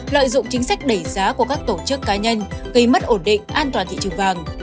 lợi dụng chính sách đẩy giá của các tổ chức cá nhân gây mất ổn định an toàn thị trường vàng